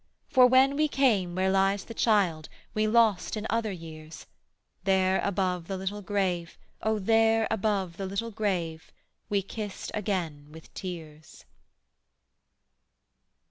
For when we came where lies the child We lost in other years, There above the little grave, O there above the little grave, We kissed again with tears.